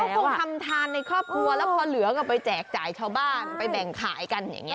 คงทำทานในครอบครัวแล้วพอเหลือก็ไปแจกจ่ายชาวบ้านไปแบ่งขายกันอย่างนี้